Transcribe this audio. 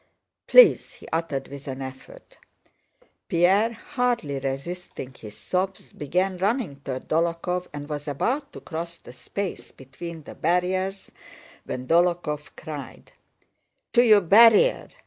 "Please," he uttered with an effort. Pierre, hardly restraining his sobs, began running toward Dólokhov and was about to cross the space between the barriers, when Dólokhov cried: "To your barrier!"